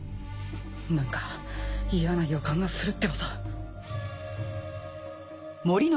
なんか嫌な予感がするってばさ。